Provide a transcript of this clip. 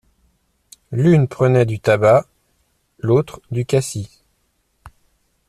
L’une prenait du tabac… et l’autre du cassis…